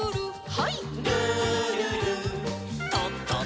はい。